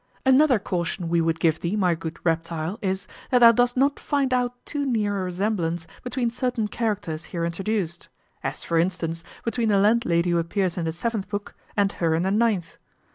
Another caution we would give thee, my good reptile, is, that thou dost not find out too near a resemblance between certain characters here introduced; as, for instance, between the landlady who appears in the seventh book and her in the ninth.